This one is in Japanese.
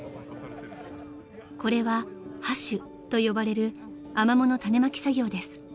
［これは播種と呼ばれるアマモの種まき作業です］